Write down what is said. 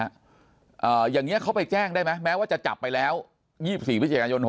อ่าอย่างเงี้ยเขาไปแจ้งได้ไหมแม้ว่าจะจับไปแล้ว๒๔วิจัยการยนต์๖๕